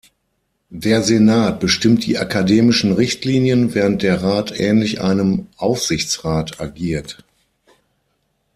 Der Senat bestimmt die akademischen Richtlinien, während der Rat ähnlich einem Aufsichtsrat agiert.